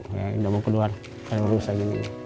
jadi tidak bisa keluar